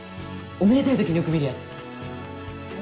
おめでたい時によく見る。